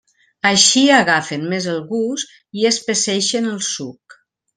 Així agafen més el gust i espesseixen el suc.